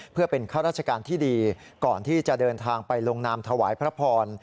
เพื่อเป็นข้าราชการที่ดีก่อนที่จะเดินทางไปลงนามถวายพระพร